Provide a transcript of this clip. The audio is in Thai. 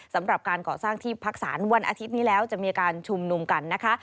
สำหรับการก่อสร้างที่พักศาลวันอาทิตย์นี้แล้วจะมีการชุมนุมกันนะคะ